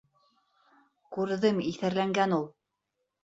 — Күрҙем, иҫәрләнгән ул...